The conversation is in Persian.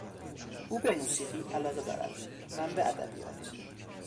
او به موسیقی علاقه دارد، من به ادبیات.